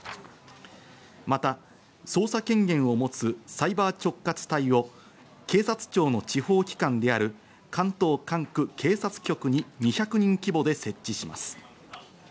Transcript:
また、捜査権限を持つサイバー直轄隊を警察庁の地方機関である関東管区警察局に２００人規模で設置します。